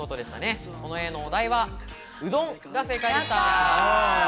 この絵のお題は、うどんが正解でした。